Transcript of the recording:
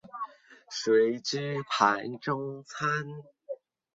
建筑的屋顶包括一个朝西面的小阁楼和一个朝东面较大机械阁楼。